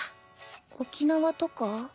沖縄とか？